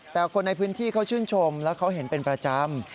แต่คนในพื้นที่เขาชื่นชมแล้วเขาเห็นเป็นประจำ